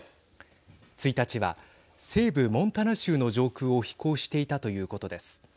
１日は西部モンタナ州の上空を飛行していたということです。